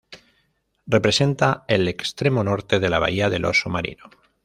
Representa el extremo norte de la bahía del Oso Marino.